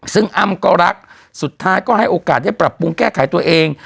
ซึ่งอ้ำก็รักสุดท้ายก็ให้โอกาสได้ปรับปรุงแก้ไขตัวเอง